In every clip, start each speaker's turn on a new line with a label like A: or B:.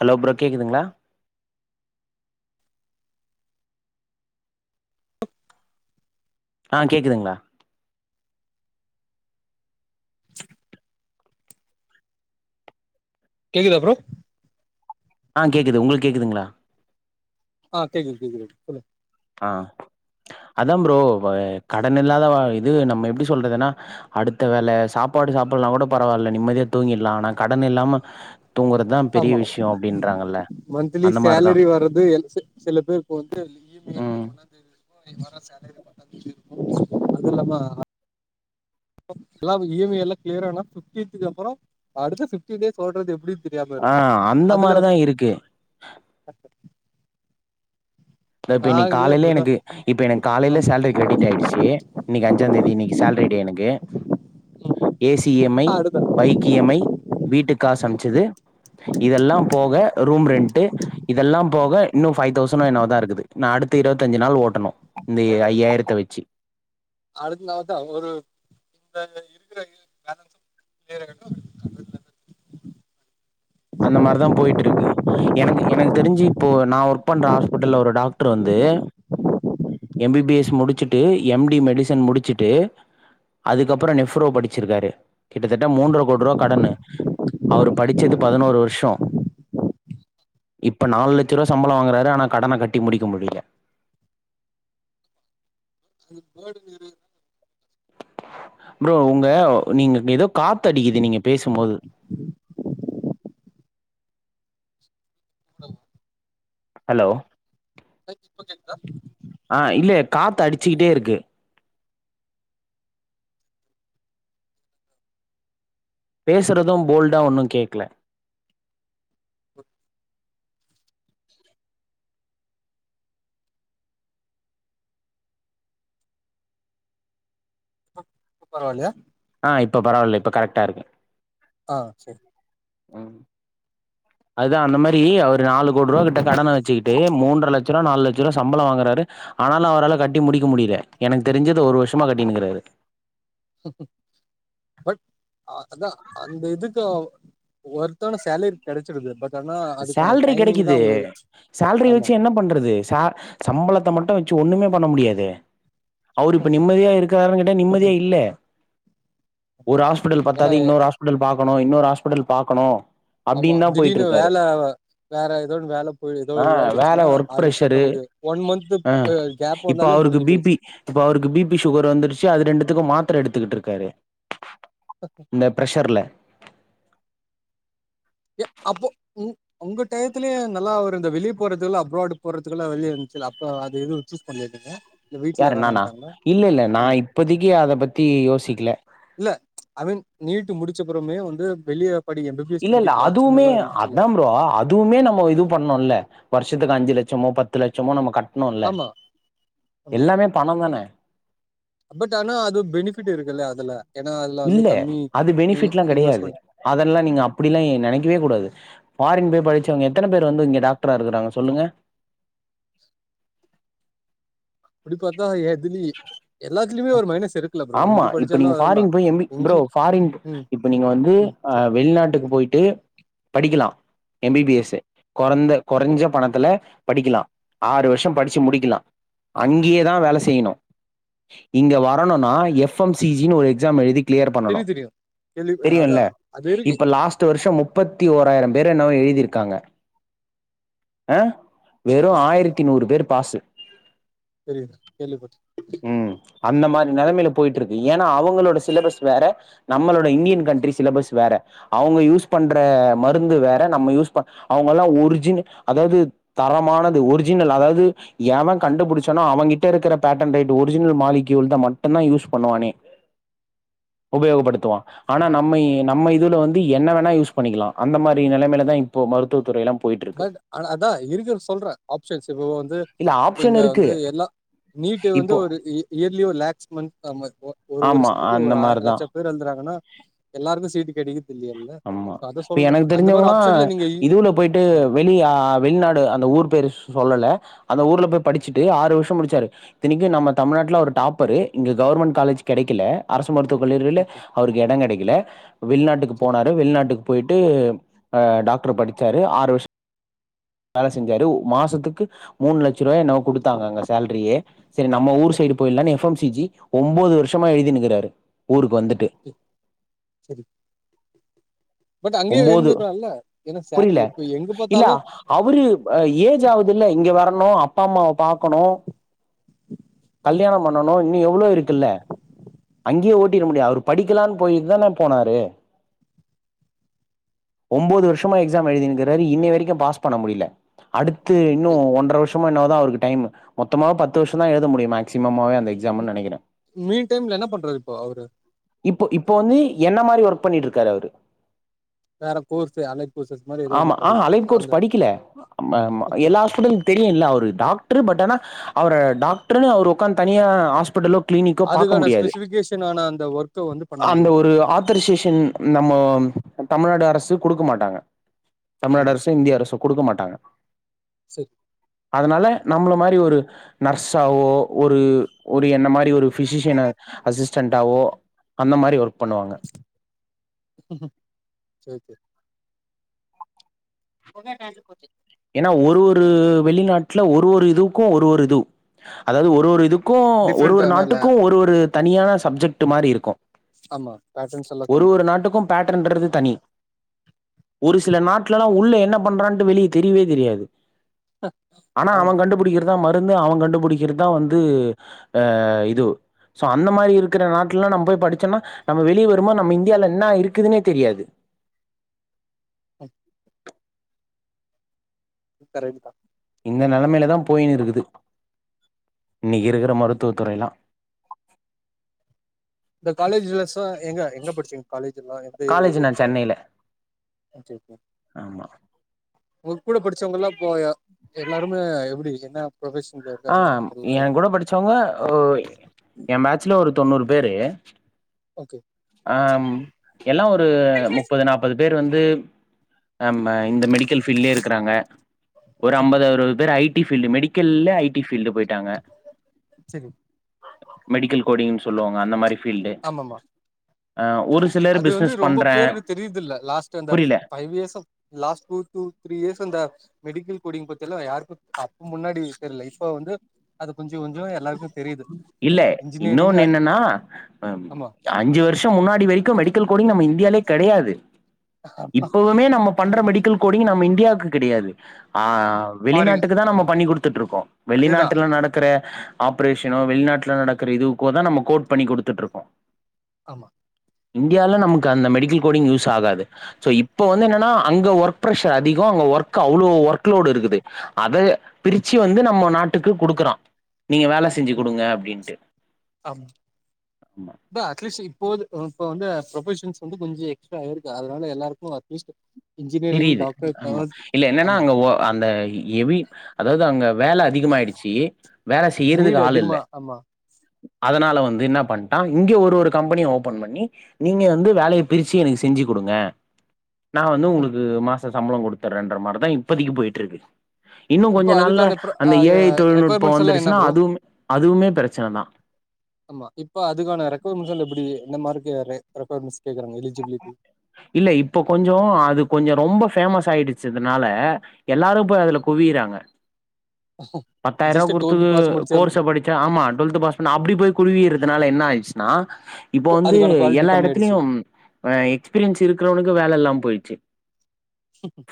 A: Hello bro கேட்குதுங்ளா ஆ கேட்குதுங்ளா
B: கேக்குதா ப்ரோ
A: ஆ கேக்குது உங்களுக்கு கேக்குதுங்களா
B: ஆ கேக்குது கேக்குது சொல்லுங்
A: ஆ அதா ப்ரோ கடன் இல்லாத வா இது நம்ம எப்டி சொல்றதுனா அடுத்த வேல சாப்பாடு சாப்புட்லனா கூட பரவால்ல நிம்மதியா தூங்கிட்லா ஆனா கடன் இல்லாம தூங்குறதுதா பெரிய
B: ஆமா
A: விஷ்யோ அப்டின்றாங்கல்ல
B: மந்த்லி
A: அந்த மாரிதா
B: சேலரி வர்றது [unintelligible] சில பேருக்கு வந்து [inaudible]
A: ம்
B: ஒன்னாந் தேதி இருக்கு அது இல்லாம எல்லா இ எம் ஐ எல்லாம கிளியரா ஆன ஃபிஃப்டீன்த்துக்கு அப்பறொ அடுத்த ஃபிஃப்டின் டேஸ் சொல்றது எப்டி
A: ஆ அந்த மாரிதா இருக்கு
B: அ
A: இந்த இப்ப இன்னிக்
B: நாங்களே
A: காலைல
B: அப்டிதா
A: எனக்கு இப்ப எனக்கு காலைல
B: ஆமா
A: சேலரி கிரெடிட் ஆயிடுச்சு இன்னக்கி அஞ்சா தேதி இன்னக்கி சேலரி டே எனக்கு
B: ம்
A: A C E M I
B: அடுத்த
A: பைக்கு இ எம் ஐ வீட்டுக்காசு அம்ச்சது இதெல்லா போக ரூம் ரெண்ட்டு இதெல்லா போக இன்னு ஃபைவ் தௌசண்ணே என்னவோதா இருக்கு நா அடுத்து இருவத்த அஞ்சு நாள் ஓட்டணு இந்த இ ஐயாயிரத்த வச்சு
B: அடுத்த நாள் தா ஒரு இந்த இருக்கிற இது பேலன்ஸு [inaudible]
A: அந்த மார்தா போய்ட்டு இருக்கு எனக்கு எனக்கு தெரிஞ்சு இப்போ நா ஒர்க் பண்ற ஹாஸ்பிட்டல்ல ஒரு டாக்ட்ரு வந்து எம் பி பி எஸ் முடிச்சுட்டு எம் டி மெடிசன் முடிச்சுட்டு அதுக்கப்பறோ நெப்ரோ படிச்சிருக்காரு கிட்டத்தட்ட மூன்ற கோட்ரூவா கடன்னு அவ்ரு படிச்சது பதினோரு வர்ஷோ இப்ப நாலு லட்ச ரூவா சம்பள வாங்கறாரு ஆனா கடன கட்டி முடிக்க முடியில
B: [inaudible]
A: ப்ரோ உங்க நீங்க ஏதோ காத்து அடிக்குது நீங்க பேசுமோது ஹலோ
B: ஆ இப்ப கேக் [inaudible]
A: ஆ இல்லைய காத்து அடிச்சக்கிட்டே இருக்கு பேசுறது போல்டா ஒன்னு கேக்கல
B: இப்ப பரவால்லயா
A: ஆ இப்ப பரவால்ல இப்ப கரக்டா இருக்கு
B: ஆ செரி
A: ம் அதுதா அந்த மாரி அவ்ரு நாலு கோடி ருவாகிட்ட கடன வச்சுக்கிட்டு மூன்றலட்சருவா நாலு லட்ச ருவா சம்பள வாங்குறாரு ஆனாலு அவ்ரல கட்டி முடிக்க முடியில எனக்கு தெரிஞ் அது ஒரு வர்ஷமா கட்டினுக்கிறாரு
B: ஹ பட் அ அதா அந்த இதுக்கு அ ஒர்த்தான சேலரி கெடைச்சிருது பட் ஆனா அதுக்கான
A: சேல்ரி
B: டைமிங் தா
A: கெடைக்குது
B: உங்களுக்கு
A: சேல்ரி
B: ஆமா
A: வச்சு என்ன பண்றது ச சம்பளத்த மட்டு வச்சு ஒண்ணுமே பண்ண முடியாதே அவ்ரு இப்ப நிம்மதியா இருக் காறனு கெட்ட நிம்மதியா இல்லே ஒரு ஹாஸ்பிட்டல்
B: ஏன்னா
A: பத்தாது இன்னொரு ஹாஸ் புட்டல் பாக்குணு இன்னொரு ஹாஸ்புட்டல் பாக்குணு
B: ஆமா திடீர்னு வேல வேற ஏதோன்னு வேல போய்டுது ஏதோ
A: ஆ வேல
B: இதயிடுச்சுன்னா
A: ஒர்க்
B: அது கட்ட
A: ப்ரெஷரு
B: முடிய [inaudible] ஒன் மந்த்த் ஆ கேப்பு வந்தாலே முடிஞ்சு போய்ச்சு
A: இப்போ அவ்ருக்கு பி பி சுகர் வந்துருச்சி அது ரெண்டுத்துக்கு மாத்திர எடுத்துக்கிட்டு இருக்காரு
B: ஓகே
A: இந்த ப்ரெஷ்சர்ல
B: ஏ அப்போ ம் உங்க டையத்தலயே நல்ல ஒரு இந்த வெளிய போறதுக்குல்ல அப்ராடு போறதுக்குல்லா வெளியே இருந்துச்ச அப்ப அது எதுவு சூஸ் பண்லியா நீங்க இல்ல வீட்ல
A: யாரு நானா
B: வேணான்ட்டாங்களா
A: இல்ல இல்ல நா
B: ஆமா
A: இப்பதிக்கி அத பத்தி யோசிக்கில
B: இல்ல ஐ மீன் நீட்டு முடிச்சப்பறமே வந்து வெளிய படி எம் பி பி எஸ்
A: இல்ல இல்ல
B: படிக்கிறதுக்கு ஆப்ஷன்
A: அதுவுமே
B: எல்லா இருந்துச்சுல்ல
A: அதா ப்ரோ அ அதுவுமே நம்மோ இது பண்ணோல்ல வர்ஷத்துக்கு அஞ்சு லட்சமோ பத்து லட்சமோ நம்ம கட் டுனுல்ல
B: ஆமா ஆமா
A: எல்லாமே பண தானே
B: பட் ஆனா அது பெனிபிட் இருக்குல்ல அதுல ஏன்னா அதுல வந்து
A: இல்ல
B: கம்மி
A: அது
B: இ
A: பெனிஃபிட்லா கெடையாது
B: இன்வெஸ்மென்
A: அதெல்லா நீங்க அ ப்டில்லா நீங்க நெனைக்கவே கூடாது பாரின் போய் படிச்சவங்க எத்தன பேர் வந்து இங்க டாக்ட்ர இருக்குறாங்க சொல்லுங்க
B: அப்டி பாத்தா எதுலி எல்லாத்துலயுமே ஒரு மைனஸ் இருக்கல ப்ரோ
A: ஆமா
B: இங்கு
A: இப்ப
B: படிச்சாலு
A: நீங்க
B: அதல்லாதா
A: ஃபாரின் போய் எம் பி ப்ரோ
B: எங்கி
A: ஃபாரின்
B: ம்
A: இப்ப நீங்க வந்து
B: ம்
A: அ
B: சரி
A: வெளிநாட்டுக்கு போயிட்டு படிக்கலா எ பி பி எஸ்ஸு கொறைந்த
B: ஓகே
A: கொறைஞ்ச பணத்த துல படிக்கலா ஆறு வருஷோ படுச்சு முடிக்கலா அங்கயே தா வேல செய்யணு இங்க வரணும்னா எஃப் எம் சி ஜினு ஒரு எக்ஸாம் எழுதி கிளியர் பண்ணணு
B: தெரியு தெரியு கேள்வி அதா
A: தெரியுல்ல
B: அது இருக்கு
A: இப்ப லாஸ்ட் டு வருஷோ முப்பத்தி ஓராயிரம் பேர் என்னவோ எழுதிருக்காங்க ஆ வெறு ஆயரத்தி நூறு பேரு பாசு
B: தெரியு கேள்வி பட்டே
A: ம் அந்த மாரி நெலைமைல போயிட்ருக்கு ஏனா அவங்களோட சிலபஸ் வேற நம்மளோட இன்டியன் கண்ட்ரி சிலபஸ் வேற அவுங்க யூஸ் பண்ற மருந்து வேற நம்ம யூஸ் பண் அவங்கல்லா ஒரிஜின அதாவது தரமானது ஒரிஜினல் அதாவது எவெ கண்டுபுடிச்சானோ அவங்கிட்ட இருக்கிற patent right original molecule தா மட்டுந்தா யூஸ் பண்ணுவானே உபயோகப்படுத்துவா ஆனா நம்ம நம்ம இதுல வந்து என்ன வேணா யூஸ் பண்ணிக்கலா அந்த மாரி நெலமைல தா இப்போ மருத்துவத்துறைல்லா போயிட்டு இருக்கு
B: பட் ஆனா அதா இருக்குற சொல்றே ஆப்ஷன்ஸ் இப்ப வந்து
A: இல்ல
B: இப்ப
A: ஆப்ஷன்
B: இங்க
A: இருக்கு
B: வந்து எல்லா நீட்டு வந்து
A: இப்போ
B: ஒரு இ இயர்லி ஒரு லேக்ஸ் மந்த் நம்ம இப்போ ஒரு
A: ஆமா
B: வருஷத்துக்கு
A: அந்த
B: ஒரு ஆய்ர
A: மாரிதா
B: லட்ச பேர் எழுதுறாங்கன்னா எல்லாருக்கு சீட் கெடைக்குறது இல்லயே
A: ஆமா எனக்கு தெருஞ்சவங்களா
B: நீங்க இ
A: இதுல போயிட்டு
B: ஆ
A: வெளிய ஆ வெளிநாடு அந்த ஊர் பேர் சொல்லல அந்த ஊர்ல போய் படுச்சுட்டு ஆறு வருஷோ முடுச்சாரு இத்தனைக்கு நம்ம தமிழ்நாட்ல அவர் டாப்பரு இங்க கவர்மண்ட் காலேஜ் கெடைக்கல அரசு மருத்துவக் கல்லூரில
B: ஓகே
A: அவருக்கு எடோ கெடைக்கல வெளிநாட்டுக்கு
B: சரி
A: போனாரு வெளிநாட்டுக்கு போயிட்டு அ டாக்டர் படுச்சாரு ஆறு வருஷ் வேல செஞ்சாரு ஒ மாசத்துக்கு மூணு லட்சரூவாயோ என்னவோ குடுத்தாங்க அங்க சேல்ரியே சரி நம்ம ஊர்
B: ஓகே
A: சைடு போயில்லான்னு எஃப் எம் சி ஜி ஒம்போது வருஷமா எழுதின்னுக்குறாரு ஊருக்கு வந்துட்டு
B: ஓகே சரி பட் அங்கயே
A: ஒம்போது
B: இருந்துருக்கலால ஏனா சா
A: புரியல
B: இப்ப எங்க
A: இல்ல
B: பாத்தாலு
A: அவரு ஏஜ் ஆகுதுல்ல இங்க வரணு அப்பா அம்மாவ பாக்கணு
B: ம்
A: கல்யாணோ பண்ணணு இன்னு எவ்ளோ இருக்குல்ல அங்கயே
B: ஆமா
A: ஓட்டிற முடியாது அவரு படிக்கலான் போயிதான போனாரு ஒம்போது வருஷமா எக்ஸாம் எழுதினுக்குறாரு இன்னமும் வரைக்கு பாஸ் பண்ண முடியல அடுத்து இன்னு
B: ஓகே
A: ஒன்ற வருஷோ மோதா என்னவோதா அவருக்கு டைமு மொத்தமா பத்து வருஷோ தா எழுத முடியு மேக்சிம்மாவே அந்த எக்ஸாமுன் நெனைக்கிறே
B: மீன் டைம்ல என்ன பண்றாரு இப்போ அவரு
A: இப்போ இப்போ வந்து என்ன மாரி ஒர்க் பண்ணிட்டு இருக்காரு அவரு
B: வேற கோர்சு அலை
A: ஆமா ஆ அலைன் கோர்ஸ் படிக்கல ம
B: ஓகே
A: எல்லா ஸ்டூடண்ட் தெரியுல்ல அவரு டாக்ட்ரு பட் ஆனா அவர டாக்ட்ருன்னு அவரு உக்காந்து தனியா ஹாஸ்பிட்டலு கிளினிக்கோ பாக்க
B: அதுக்கான
A: முடியாது
B: ஸ்பெசிஃபிகேஷன் ஆன அந்த ஒர்க்கை வந்து பண்ண
A: அந்த
B: முடியாது
A: ஒரு ஆ ஆத்தர்சேஷன் நம்மோ தமிழ்நாடு அரசு குடுக்க மாட்டாங்க தமிழ்நாடு அரசோ இந்திய அரசோ குடுக்க மாட்டாங்க
B: சர்
A: அதுனால நம்மள மாரி ஒரு நர்ஸாவோ ஒரு ஒரு என்ன மாரி ரி ஒரு ஃபிஷிஷியன அசிஸ்டன்டாவோ அந்த மாரி ஒர்க் பண்ணுவாங்க
B: சரி சரி ஓகே டன் [unintelligible]
A: ஏனா ஒரு ஒரு வெளிநாட்டுல ஒரு ஒரு இதுக்கு ஒரு ஒரு இதுவ் அதாவது ஒரு ஒரு இதுக் கோ ஒரு
B: டிஃப்ரெண்ட்
A: ஒரு
B: ஆனால்
A: நாட்டுக்கு ஒரு ஒரு தனியான சப்ஜெக்ட் மாரி இருக்கு
B: ஆமா பேட்டர்ன்ஸ் எல்லாம்
A: ஒரு
B: கம்மி
A: ஒரு நாட்டுக்கு பேட்டன்ன்றது தனி ஒரு சில நாட்லல்லா உள்ள என்ன பண்றான்டு வெளிய தெரிவே தெரியாது ஆனா
B: ஆமா
A: அவன் கண்டுபுடிக்க எதா மருந்து அவன் கண்டுபிடிக்கிறது தா வந்து ஆ இது சோ அந்த மாரி இருக்குற நாட்டுலலா நம் போய் படிச்சோனா நம்ம வெளிய வரும்போ நம்ம இந்தியால என்ன இருக்குதுனே தெரியாது
B: கரெக்ட் தா
A: இந்த நெலைமையில தா போயினு இருக்குது இன்னைக்கு இருக்கிற மருத்துவ துறை லா
B: இந்த காலேஜ்ல சோ ஏங்க எங்க படிச்சுங்க காலேஜ் எல்லா எந்த
A: காலேஜ்
B: ஒவ்வொரு
A: நா சென்னையில ஆமா
B: [unintelligible] உங்க கூட படிச்சவங்கல்லா இப்போ எல்லாருமே எப்டி என்ன ப்ரொஃபஷன் [unintelligible]
A: ஆ ம் எங்கூட படிச்சவுங்க என் பேச்சுல ஒரு தொண்ணூறு பேரு
B: ஓகே
A: ஆம் எல்லா ஒரு முப்பது நாப் பது பேர் வந்து அ ம இந்த மெடிக் கல் ஃபீல்லேயே இருக்குறாங்க ஒரு
B: சரி
A: அம்பது அறுவது பேர் ஐடி ஃபீல்டு மெடிக்கல்ல ஐ டி ஃபீல்டு போய்ட்டாங்க
B: சரி
A: மெடிக்கல் கோடிங்ன் சொல்லுவாங்க அந்த மாரி ஃபீல்டு
B: ஆமாமா
A: அ ஒரு ஸ்
B: அது வந்து ரொம்ப பேருக்கு தெரியுதில்ல லாஸ்ட்டா இந்த
A: புரியல
B: ஃபைவ் இயர்ஸ் ஆ last two to three years அந்த மெடிக்கல் கோடிங் பத்தில்லா யாருக்கு அப்ப முன்னாடி தெர்ல இப்ப வந்து அது கொஞ்ச கொஞ்ச எல்லாருக்கு தெரியுது
A: இல்ல
B: இன்ஜினியரிங் அ ஆமா
A: ந்த அஞ்சு வருஷம் முன்னாடி வரைக்கு மெடிக்கல் கோடிங் நம்ம இந்தியாலே கெடையாது இப்பவு மே நம்ம பண்ற மெடிக்கல் கோடிங் நம்ம இண்டியாக்கு கெடையாது ஆ
B: பாரிங்
A: வெளிநாட்டுக்கு தா நம்ம
B: ஆமா.
A: பண்ணி குடுத்துட்ருக்குறோ
B: அதேதான்.
A: வெளிநாட்ல நடக்குற ஆப்ரேஷனோ வெளிநாட்ல நடக்கற இதுவுக்கோ தா நம்ம கோட் பண்ணி குடுத்துட்ருக்கோ
B: ஆமா
A: இண்டியால நமக்கு அந்த மெடிக்கல் கோடிங் யூஸ் ஆகாது சோ இப்ப வந்து என்னனா அங்க ஒர்க் ப்ரஷர் அதிகோ அங்க ஒர்க் அவ்ளோ ஒர்க்லோடு இருக்குது அத பிரிச்சு வந்து நம்ம நாட்டுக்கு குடுக்குறா நீங்க வேல செஞ்சு குடுங்க அப்டின்ட்டு
B: அம்
A: அம்மா
B: இப்ப அட்லீஸ்ட் இப்போது அ இப்ப வந்து ப்ரொஃபஷன்ஸ் வந்து கொஞ்ச எக்ஸ்ட்ரா ஆயிருக்கு அதுனால எல்லாருக்கு அட்லீஸ்ட் இன்ஜினியரிங்,
A: தெரியிது
B: டாக்டர்
A: ஆமா
B: தவிர்த்
A: இல்ல என்னனா
B: ஆமா.
A: அங்க ஒ அந்த எவி அதாது அங்க வேல அதிகமாயிடுச்சி வேல செய்யிறதுக்கு
B: நீட்
A: ஆளில்ல
B: அதிகமா ஆமா.
A: அதனால வந்து இன்னா பண் ட்டா இங்க ஒரு ஒரு கம்பெனிய ஓபன் பண்ணி நீங்க வந்து வேலய பிரிச்சு எனக்கு செஞ்சு குடுங்க நா வந்து ஓங்குளுக் கு மாச சம்பளம் குடுத்தர்றன்ற மார்தா இப்பதிக்கி போயிட்ருக்கு இன்னு
B: இப்போ
A: கொஞ்ச நாள்ல
B: அதுக்கான ப்ர அ
A: அந்த
B: ய
A: ஏஐ தொழில்நுட்போ
B: ரெக்யர்மெண்ட்ஸ் எல்லாம் என்ன
A: வந்துருச்சுனா
B: ப்ரோ?
A: அதுவும் அதுவுமே பிரச்சனதா
B: ஆமா இப்ப அதுக்கான ரெக்கொர்மெண்டஸா இல்ல எப்பிடி இந்த மார்க்கு ரெ ரெக்கொயர்மெண்டஸ் கேக்குறாங்க எலிஜிபிலிட்டி
A: இல்ல இப்ப கொஞ்சோ அது கொஞ்சோ ரொம்ப ஃபேமஸ் ஆயிடச்சதுனால எல்லாரும் போய் அதுல குவியிறாங்க பத்தாயிருவா
B: ஜஸ்ட்
A: குடுத்து
B: டுவெல்த் பாஸ் முடிச்சால்
A: கோர்ஸ படுச்சா ஆமா டுவெல்த் பாஸ் பண்ணா அப்டி போய் குழுவியிறதுனால என்ன ஆயிடுச்சுனா இப்ப
B: கு-
A: வந்து
B: அதுக்கான குவாலிட்டி
A: எல்லா
B: கம்மியாயிடுச்சு
A: எடத்துலயும் அ எக்ஸ்பீரியன்ஸ் இருக்குறவனுக்கு வேல இல்லாம போயிட்ச்சு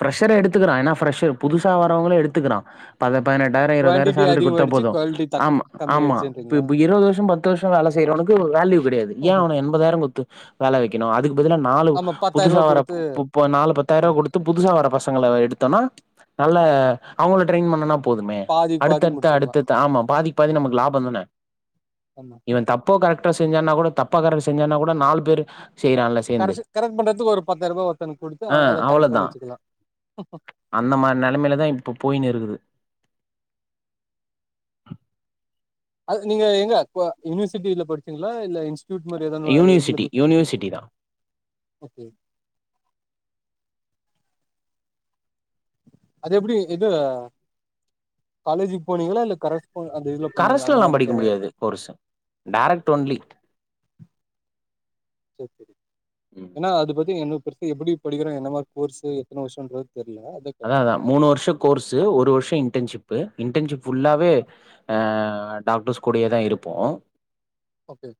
A: ஃப்ரெஷர் எடுத்துக்குறான் எனா ஃப்ரெஷர் புதுசா வரவங்கள எடுத்துக்குறான் பத பதினெட் டாயிரம் இருவதாயிரம்
B: குவான்டிட்டி
A: சேல்ரி குடுத்தா
B: அதிகமாயிடுச்சு
A: போதும்
B: குவாலிட்டி த
A: ஆமா ஆமா இப்ப
B: கம்மியாயிடுச்சுன்றீங்களா
A: இப்ப இருவது வருஷம் பத்து வருஷம் வேல செய்றவனுக்கு வேல்யூ கிடையாது ஏன்
B: ஆஹ
A: அவன எண்பதாயிரம் குத்து வேல வக் கிணு அதுக்கு பதுலா நாலு
B: ஆமா பத்தாயிரூபா
A: புதுசா வர
B: குடுத்து
A: பு பு நாலு பத்தாயிருவா
B: ஆமா
A: குடு த்து புதுசா வர பசங்கள எடுத்தனா நல்ல அவுங்கள ட்ரெய்ன் பண்ணனா போதுமே
B: பாதிக்கு பாதி
A: அடுத்தடுத்த
B: முடிச்சிடலா
A: அடுத்த ஆமா பாதிக் பாதி நமக்கு லாபந்தான
B: ஆமா
A: இவன் தப் போ கரக்ட்டோ செஞ்சான்னா கூட தப்ப கரட் செஞ்சான்னாகூட நாலு பேரு செய்றான்ல சேந்து.
B: கரசு கரட் பண்றத்து ஒரு பத்தாயிருபா ஒருத்தனுக்கு குடுத்து அத கரெக்ட் பண்ணிச்சுக்கலா
A: அந்தமார் நெலமைலதான் இப்ப போயினுருக்குது
B: அது நீங்க எங்க இப்ப யுனிவர்சிட்டில படிச்சீங்களா இல்ல இன்ஸ் ட்யூட் மாரி எதானு அ எதுல
A: யூனிவர்சிட்டி
B: போய் படிச்சீங்
A: யூனிவர்சிட்டி தான்
B: ஓகே அது எப்டி இது காலேஜக்கு போனீங்களா இல்ல கரஸ் அந்த இதுல போனீங்களா அந்த
A: கரஸ்லயெல்லா
B: மாரி
A: படிக்க முடியாது கோர்ஸு டேரக்ட்
B: ஓகே
A: ஓன்லி
B: செரி
A: ம்
B: ஏனா அது பத்தி என்ன பெருசு எப்டி படிக்கிறாங்கனு என்ன மாரி கோர்ஸு எத்தன வருஷோ அப்டின்றது தெரியல அத
A: அதா அதா மூணு வருஷம் கோர்ஸு ஒரு வருஷோ இன்டர்ன்ஷிப்பு இன்டர்ன்ஷிப் ஃபுல்லாவே ஆ டாக்டர்ஸ் கூடே தா இருப்போ
B: ஓகே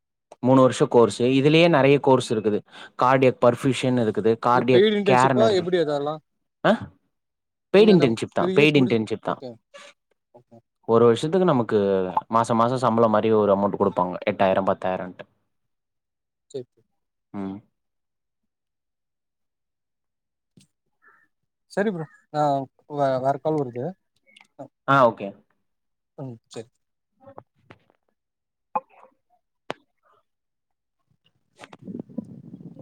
A: மூணு வருஷம் கோர்ஸு இதுலயே நிறைய கோர்ஸ் இருக்குது கார்டியக் பர்ஃபயூஷன் இருக்குது
B: இல்ல
A: கார்டியோ
B: பெய்டு இன்டர்ன்ஷிப்பா
A: கேர்னு இருக்கு
B: எப்டி அதெல்லா
A: ஆ பெய்டு
B: நீங்க அந்த
A: இன்டர்ன்ஷிப் தான்
B: த்ரீ யர்ஸ்
A: பெய்டு
B: முட்ச்சு
A: இன்டர்ன்ஷிப் தான்
B: ஓகே
A: ஒரு வருஷத்துக்கு நமக்கு மாச மாசம் சம்பளம் மாரி ஒரு அமௌண்ட் கொடுப்பாங்க எட்டாயிரம் பத்தாயிரம்ட்டு
B: சேரி
A: ம்
B: செரி ப்ரோ ஆ வே வேறக்கால் வருது
A: ஆ ஓகே
B: ம் சேரி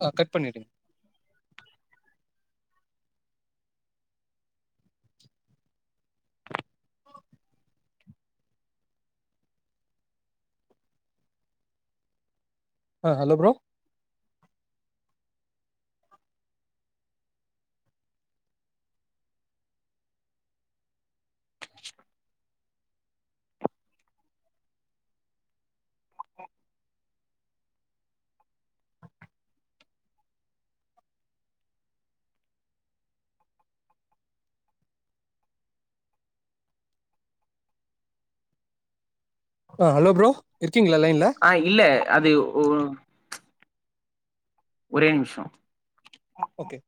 B: ஆ கட் பண்ணிடுங்க ஆ ஹலோ ப்ரோ ஆ ஹலோ ப்ரோ இருக்கீங்களா லைன்ல
A: ஆ இல்ல அது ஒ ஒரே நிமிஷோ
B: ஓகே